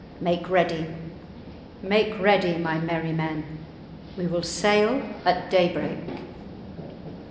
Make ready, make ready, my merry men; we will sail at daybreak."